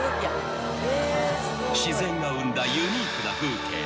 ［自然が生んだユニークな風景と］